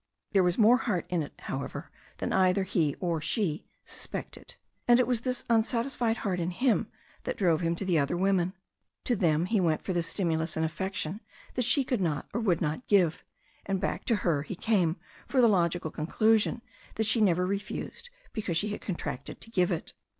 There was more heart in it, however, than cither he or she suspected. And it was this unsatisfied heart in him thai drove him to the other women. To them he went for the stimulus and affection that she could not or would not give, and back to her he came for the logical conclusion that she never refused, because she had contracted to give it.